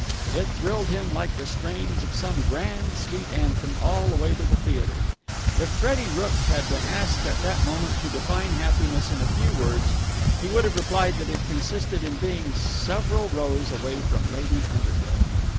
It thrilled him like the strains of some grand, sweet anthem all the way to the theatre. If Freddie Rooke had been asked at that moment to define happiness in a few words, he would have replied that it consisted in being several rows away from Lady Underhill.